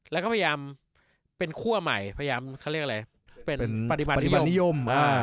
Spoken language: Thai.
แล้วก็พยายามเป็นคั่วใหม่พยายามเขาเรียกอะไรเป็นปฏิบัตินิยม